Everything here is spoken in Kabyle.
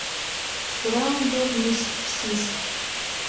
Tefra ugur-nni s tefses.